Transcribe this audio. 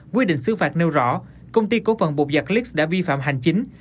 quy định xử phạt nêu rõ công ty cổ phần bột giặc lix đã vi phạm hành chính